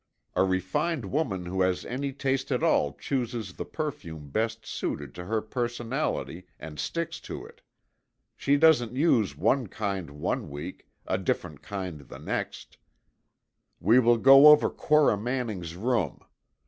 A refined woman who has any taste at all chooses the perfume best suited to her personality, and sticks to it. She doesn't use one kind one week, a different kind the next. We will go over Cora Manning's room.